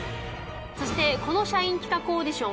そしてこの社員企画オーディション